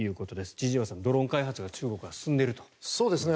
千々岩さん、ドローン開発が中国は進んでいるということですね。